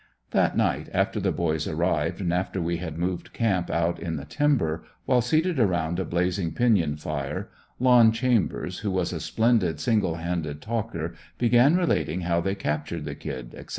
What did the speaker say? That night, after the boys arrived and after we had moved camp out in the timber, while seated around a blazing pinyon fire, Lon Chambers who was a splendid single handed talker, began relating how they captured the "Kid," etc.